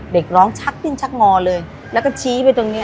เด็กร้องชักดิ้นชักงอเลยแล้วก็ชี้ไปตรงเนี้ย